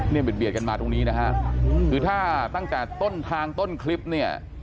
เบียดกันมาตรงนี้นะฮะคือถ้าตั้งแต่ต้นทางต้นคลิปเนี่ย